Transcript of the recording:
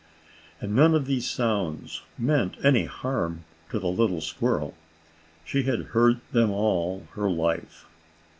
And none of these sounds meant any harm to the little squirrel. She had heard them all her life.